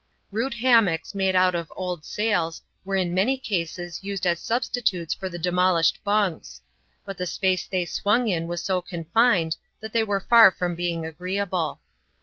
Rude hammocks made out of old sails were in many cases used as substitutes for the demolised bunks ; but the space they swung in was so confined, that they were far from being agreeable.